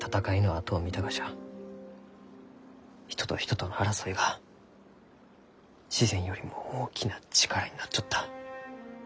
人と人との争いが自然よりも大きな力になっちょった。